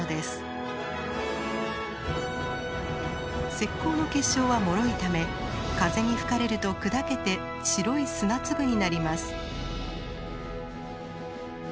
石こうの結晶はもろいため風に吹かれると砕けて白い砂粒になります。